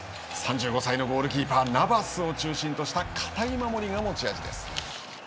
３５歳のゴールキーパーナバスを中心とした堅い守りが持ち味です。